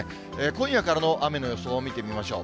今夜からの雨の予想を見てみましょう。